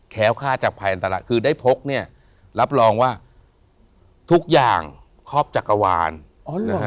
ค่าจากภัยอันตรายคือได้พกเนี่ยรับรองว่าทุกอย่างครอบจักรวาลนะฮะ